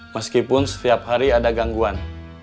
meskipun setiap hari ada gangguan